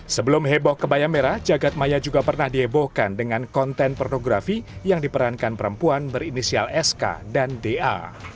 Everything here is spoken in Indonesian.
sebelum heboh kebaya merah jagad maya juga pernah diebohkan dengan konten pornografi yang diperankan perempuan berinisial sk dan da